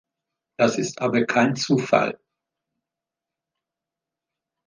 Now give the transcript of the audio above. Das ist aber kein Zufall.